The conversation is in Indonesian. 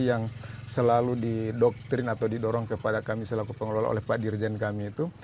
yang selalu didoktrin atau didorong kepada kami selaku pengelola oleh pak dirjen kami itu